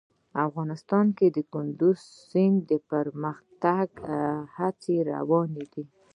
افغانستان کې د کندز سیند د پرمختګ هڅې روانې دي.